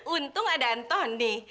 untung ada antoni